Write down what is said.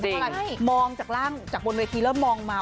เพราะว่าล่ะมองจากล่างจากบนวัยทีเริ่มมองมา